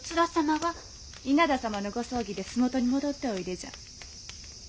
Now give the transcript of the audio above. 稲田様の御葬儀で洲本に戻っておいでじゃ。